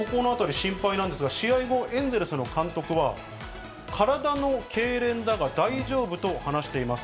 ここの当たり心配なんですが、試合後、エンゼルスの監督は、体のけいれんだが大丈夫と話しています。